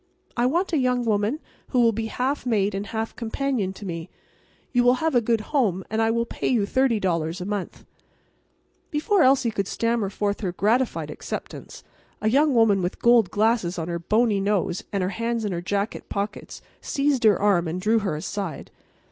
I want a young woman who will be half maid and half companion to me. You will have a good home and I will pay you $30 a month." Before Elsie could stammer forth her gratified acceptance, a young woman with gold glasses on her bony nose and her hands in her jacket pockets seized her arm and drew her aside.